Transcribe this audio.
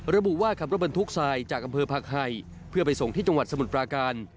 ระบุว่าขับรถบรรทุกทรายจากอำเภอผักไห่เพื่อไปส่งที่จังหวัดสมุทรปราการ